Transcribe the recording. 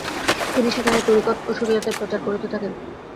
তিনি সেখানে তরিকত ও শরীয়তের প্রচার করতে থাকেন।